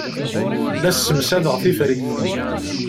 La ssemsadeɣ tiferyin.